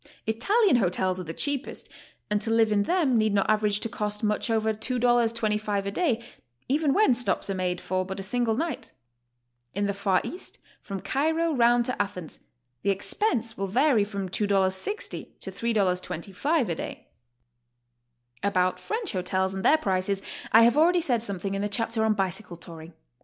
Italian hotels are the cheapest, and to live in them need not average to cost much over $2.25 a day, even when stops are made for but a single night. In the Ear East, from Cairo round to Athens, the expense will vary from $2.60 to $3.25 a day. About French hotels and their prices I have already said something in the chapter on Bicycle Tauring.